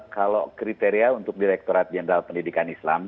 kalau kriteria untuk direkturat jenderal pendidikan islam